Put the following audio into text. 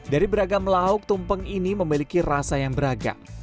dari beragam lauk tumpeng ini memiliki rasa yang beragam